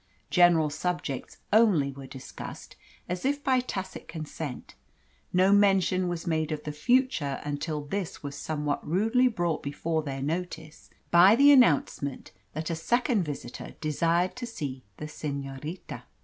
General subjects only were discussed, as if by tacit consent. No mention was made of the future until this was somewhat rudely brought before their notice by the announcement that a second visitor desired to see the senorita.